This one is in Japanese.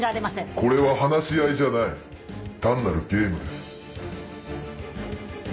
これは話し合いじゃない単なるゲームです。